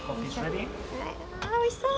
おいしそう。